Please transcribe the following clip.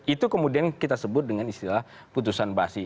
itu kemudian kita sebut dengan istilah putusan basi